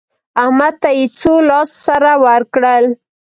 احمد ته يې څو لاس سره ورکړل؟